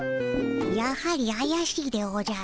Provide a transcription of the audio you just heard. やはりあやしいでおじゃる。